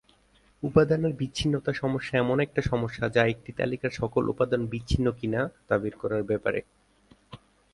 উপাদানের বিচ্ছিন্নতা সমস্যা এমন একটা সমস্যা যা একটি তালিকার সকল উপাদান বিচ্ছিন্ন কিনা তা বের করার ব্যাপারে।